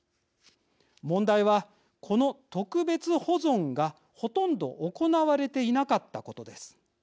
問題は、この特別保存がほとんど行われていなかったことです。